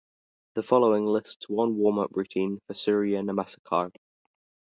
The following lists one warm up routine for Surya Namasakar.